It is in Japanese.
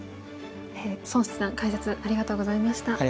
孫七段解説ありがとうございました。